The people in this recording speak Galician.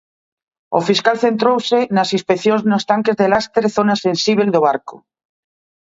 O fiscal centrouse nas inspeccións nos tanques de lastre zona sensíbel do barco.